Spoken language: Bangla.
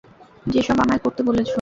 যেসব আমায় করতে বলেছো।